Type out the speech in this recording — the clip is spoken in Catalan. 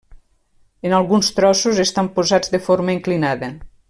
En alguns trossos estan posats de forma inclinada.